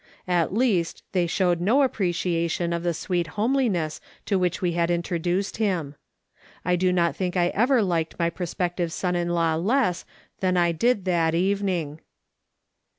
At least, they showed no appreciation of the sweet homeliness to which we had introduced him. I do not think I ever liked my prospective son in law less than I did that evening.